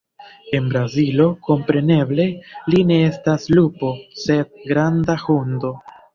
En Brazilo, kompreneble, li ne estas lupo, sed "granda hundo".